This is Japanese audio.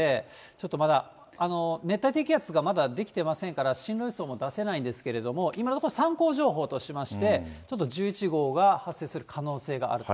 ちょっとまだ、熱帯低気圧がまだ出来てませんから、進路予想も出せないんですけれども、今のところ参考情報としまして、ちょっと１１号が発生する可能性があると。